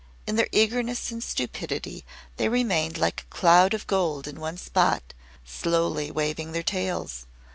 In their eagerness and stupidity they remained like a cloud of gold in one spot, slowly waving their tails.